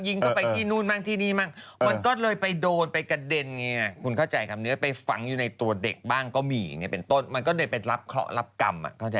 ยิงขึ้นสตร์วางยิงเข้าไปที่นู่นบ้างที่นี่บ้าง